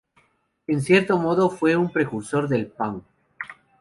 En cierto modo, fue un precursor del punk".